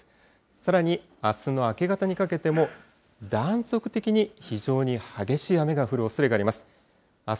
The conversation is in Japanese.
さらに、あすの明け方にかけても、断続的に非常に激しい雨が降るおそれがあります。